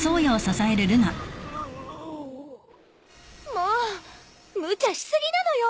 もう無茶し過ぎなのよ。